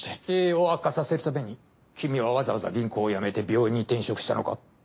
経営を悪化させるために君はわざわざ銀行を辞めて病院に転職したのか？